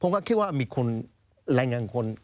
ผมก็คิดว่ามีคนลายงานคน